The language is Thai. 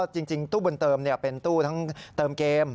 จริงตู้บุญเติมเป็นตู้ทั้งเติมเกม